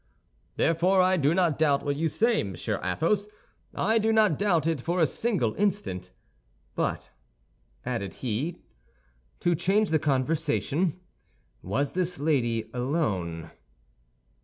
"Therefore I do not doubt what you say, Monsieur Athos, I do not doubt it for a single instant; but," added he, "to change the conversation, was this lady alone?"